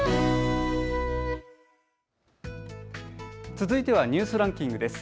続いてはニュースランキングです。